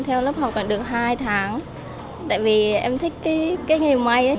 em theo lớp học còn được hai tháng tại vì em thích cái nghề may